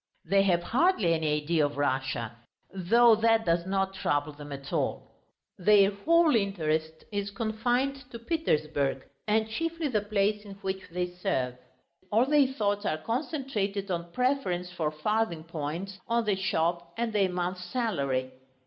They have hardly any idea of Russia, though that does not trouble them at all. Their whole interest is confined to Petersburg and chiefly the place in which they serve. All their thoughts are concentrated on preference for farthing points, on the shop, and their month's salary.